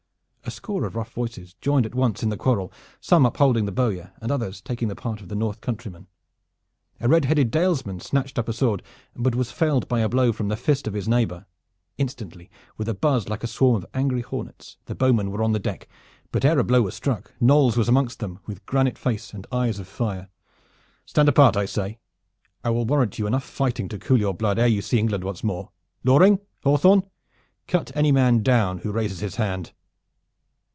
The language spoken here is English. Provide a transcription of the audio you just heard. A score of rough voices joined at once in the quarrel, some upholding the bowyer and others taking the part of the North Countryman. A red headed Dalesman snatched up a sword, but was felled by a blow from the fist of his neighbor. Instantly, with a buzz like a swarm of angry hornets, the bowmen were out on the deck; but ere a blow was struck Knolles was amongst them with granite face and eyes of fire. "Stand apart, I say! I will warrant you enough fighting to cool your blood ere you see England once more. Loring, Hawthorn, cut any man down who raises his hand.